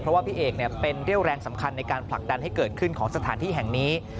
เพราะว่าพี่เอกเป็นเรี่ยวแรงสำคัญในการผลักดันให้เกิดขึ้นของสถานที่แห่งนี้